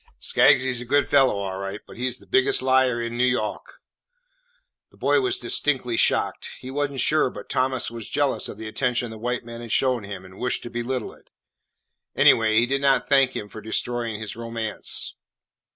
Skaggsy 's a good fellah, all right, but he 's the biggest liar in N' Yawk." The boy was distinctly shocked. He was n't sure but Thomas was jealous of the attention the white man had shown him and wished to belittle it. Anyway, he did not thank him for destroying his romance.